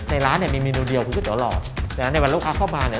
ในร้านเนี่ยมีเมนูเดียวของข้าวตั๋วหลอดดังนั้นในวันเราเข้ามาเนี่ย